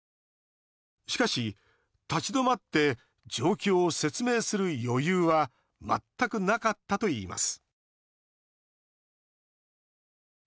しかし、立ち止まって状況を説明する余裕は全くなかったといいます